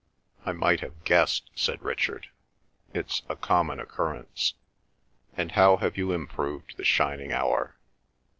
"I might have guessed," said Richard. "It's a common occurrence. And how have you improved the shining hour?